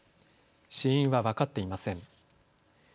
死因は分かっていません。